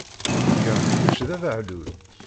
Ugaɣ kečč d abehlul.